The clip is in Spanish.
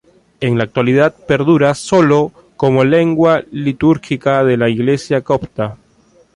En la actualidad perdura sólo como lengua litúrgica de la Iglesia Copta.